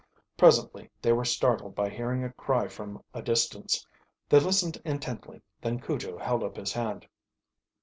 Presently they were startled by hearing a cry from a distance. They listened intently, then Cujo held up his hand.